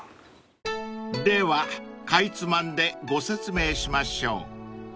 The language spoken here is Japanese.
［ではかいつまんでご説明しましょう］